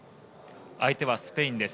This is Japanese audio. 相手はスペインです。